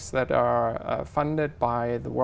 chúng ta không thể có